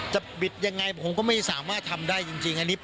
จะบิดยังไงผมก็ไม่สามารถทำได้จริงอันนี้